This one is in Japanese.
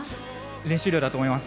練習量だと思います。